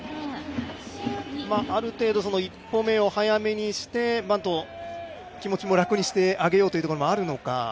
ある程度一歩目を早めにしてバント、気持も楽にしてあげようということなのか。